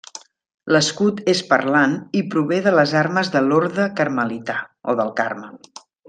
L'escut és parlant, i prové de les armes de l'orde carmelità, o del Carme.